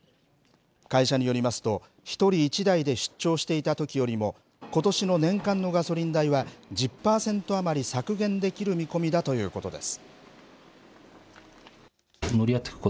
会社によりますと、１人１台で出張していたときよりも、ことしの年間のガソリン代は１０％余り削減できる見込みだということです。